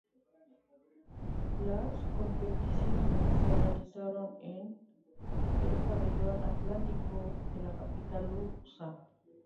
Las competiciones se realizaron en el Pabellón Atlántico de la capital lusa.